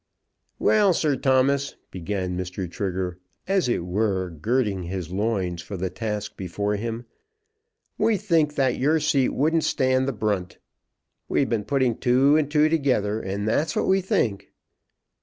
"Well, Sir Thomas," began Mr. Trigger, as it were girding his loins for the task before him, "we think that your seat wouldn't stand the brunt. We've been putting two and two together and that's what we think."